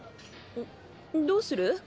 どうする？